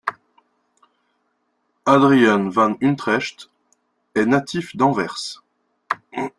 Adriaen van Utrecht est natif d'Anvers.